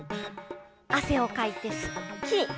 汗をかいてすっきり！